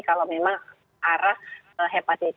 kalau memang arah